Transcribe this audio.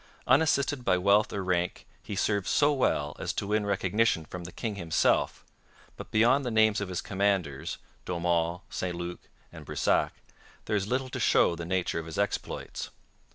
Unassisted by wealth or rank, he served so well as to win recognition from the king himself, but beyond the names of his commanders (D'Aumont, St Luc, and Brissac) there is little to show the nature of his exploits.